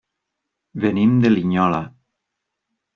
Venim de Linyola.